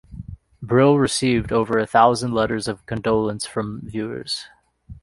Brill received over a thousand letters of condolence from viewers.